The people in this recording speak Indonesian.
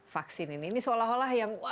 vaksin ini ini seolah olah yang